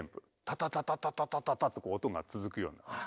タタタタタタタタタと音が続くような感じ。